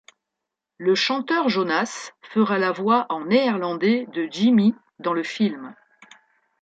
Le chanteur Jonas fera la voix en néerlandais de Jimmy dans le film.